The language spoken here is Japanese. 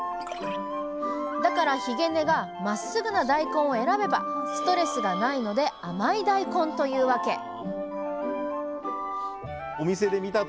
だからひげ根がまっすぐな大根を選べばストレスがないので甘い大根というワケ！